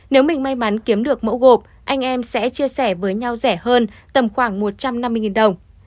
nếu mình may mắn kiếm được mẫu gộp anh em sẽ chia sẻ với nhau rẻ hơn tầm khoảng một trăm năm mươi đồng